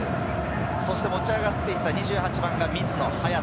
そして持ち上がっていた２８番が水野颯太。